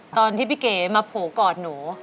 ตอนที่พี่เก๋มาผูกอดหนู